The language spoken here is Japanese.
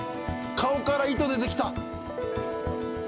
顔から糸出てきた！